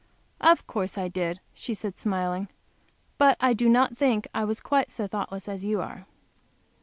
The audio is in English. "Of course I did," she said, smiling. "But I do not think I was quite so thoughtless as you are."